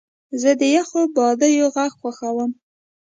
زه د یخو بادیو غږ خوښوم.